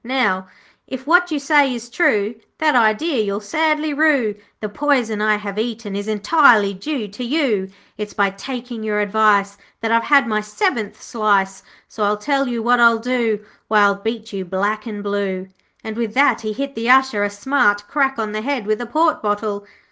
'Now, 'If what you say is true, That idea you'll sadly rue, The poison I have eaten is entirely due to you. It's by taking your advice That I've had my seventh slice, So I'll tell you what I'll do Why, I'll beat you black and blue,' and with that he hit the Usher a smart crack on the head with a port bottle.